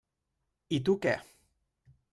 I tu què?